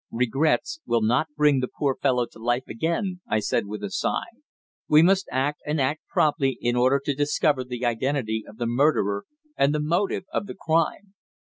"Regrets will not bring the poor fellow to life again," I said with a sigh. "We must act, and act promptly, in order to discover the identity of the murderer and the motive of the crime.